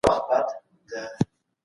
څه ډول کثافات د چاپیریال لپاره خطرناک دي؟